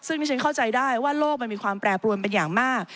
ซึ่งดิฉันเข้าใจได้ว่าโลกมันมีความแปรปรวนเป็นอย่างมาก